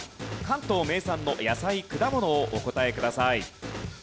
関東名産の野菜・果物をお答えください。